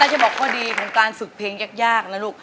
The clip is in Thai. จะบอกข้อดีของการฝึกเพลงยากนะลูก